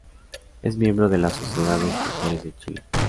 Es miembro de la Sociedad de Escritores de Chile.